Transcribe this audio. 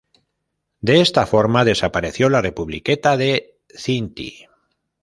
De esta forma desapareció la "Republiqueta de Cinti".